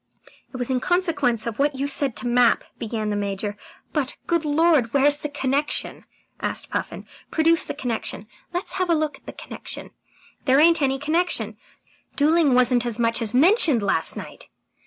"It was in consequence of what you said to Mapp " began the Major. "But, good Lord, where's the connection?" asked Puffin. "Produce the connection! Let's have a look at the connection! There ain't any connection! Duelling wasn't as much as mentioned last night."